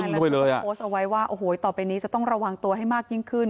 ปึ้งเข้าไปเลยอ่ะโพสต์เอาไว้ว่าโอ้โหต่อไปนี้จะต้องระวังตัวให้มากยิ่งขึ้น